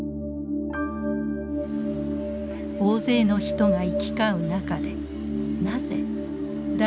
大勢の人が行き交う中でなぜ誰